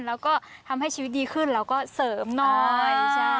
แล้วก็ทำให้ชีวิตดีขึ้นแล้วก็เสริมหน่อย